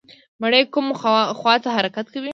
مڼې کومې خواته حرکت وکړي؟